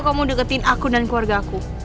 kamu deketin aku dan keluarga aku